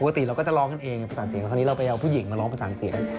เราก็จะร้องกันเองภาษาเสียงคราวนี้เราไปเอาผู้หญิงมาร้องภาษาเสียง